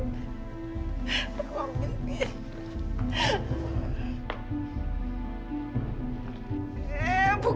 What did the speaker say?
eh bukan tolongin malah kabur